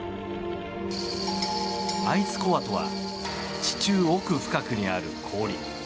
アイスコアとは地中奥深くにある氷。